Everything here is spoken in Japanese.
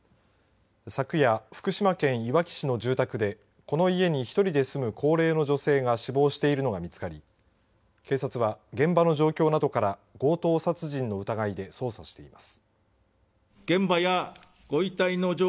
昨夜、福島県いわき市の住宅でこの家に１人で住む高齢の女性が死亡しているのが見つかり警察は、現場の状況などから強盗殺人の疑いで捜査しています。